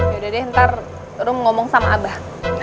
yaudah deh ntar rum ngomong sama abah